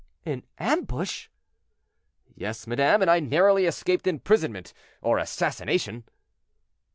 "An ambush!" "Yes, madame, and I narrowly escaped imprisonment or assassination."